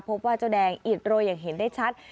พบว่าเจ้าแดงอิดโรยอย่างเห็นได้ชัด